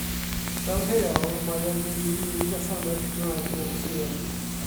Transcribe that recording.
Fel rheol, y mae ynddi hi un gwasanaeth Cymraeg bob Sul.